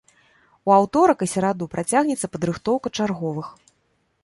У аўторак і сераду працягнецца падрыхтоўка чарговых.